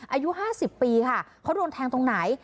อายุ๕๐ปีค่ะเขาโดนแทงตรงไหน